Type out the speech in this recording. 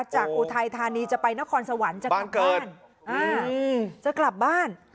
จากอุทัยธานีจะไปนครสวรรค์บ้านเกิดอ่าจะกลับบ้าน